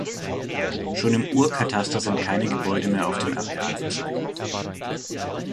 Schon im Urkataster sind keine Gebäude mehr auf dem Areal verzeichnet.